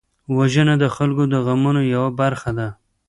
وژنه د خلکو د غمونو یوه برخه ده